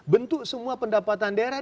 bentuk semua pendapatan daerah